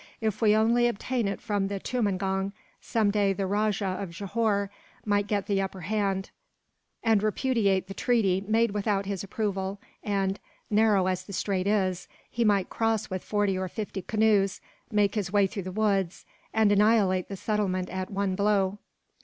If we only obtain it from the tumangong, some day the Rajah of Johore might get the upper hand, and repudiate the treaty made without his approval and, narrow as the strait is, he might cross with forty or fifty canoes, make his way through the woods, and annihilate the settlement at one blow."